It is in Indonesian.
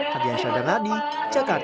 kadya syadarnadi jakarta